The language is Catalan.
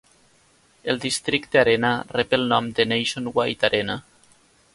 El districte Arena rep el nom de Nationwide Arena.